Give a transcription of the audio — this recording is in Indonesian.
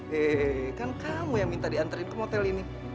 hei kan kamu yang minta diantriin ke motel ini